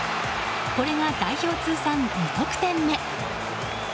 これが代表通算２得点目。